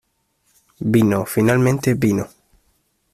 ¡ Vino! ¡ finalmente vino !